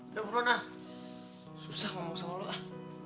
udah perona susah mau ngusah lo ah